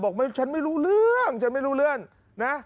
ฉันไม่รู้เรื่องฉันไม่รู้เรื่องนะ